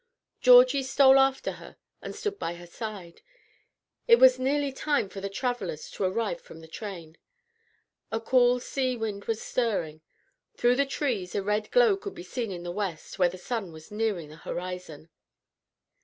Georgie stole after her, and stood by her side. It was nearly time for the travellers to arrive from the train. A cool sea wind was stirring. Through the trees a red glow could be seen in the west, where the sun was nearing the horizon.